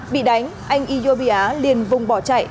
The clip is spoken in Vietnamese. bị đánh anh ijon pia liền vùng bỏ chạy